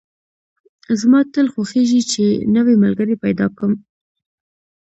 زما تل خوښېږي چې نوی ملګري پیدا کدم